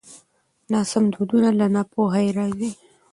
ناسم دودونه له ناپوهۍ راځي.